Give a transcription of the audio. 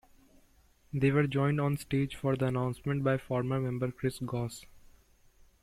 They were joined on stage for the announcement by former member Chris Goss.